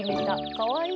かわいい。